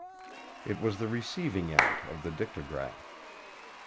It was the receiving end of the dictagraph.